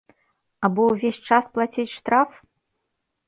Або ўвесь час плаціць штраф?